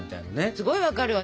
すごい分かるわ。